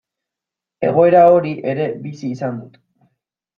Egoera hori ere bizi izan dut.